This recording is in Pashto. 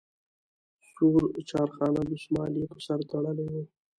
سور چارخانه دستمال یې په سر تړلی وي.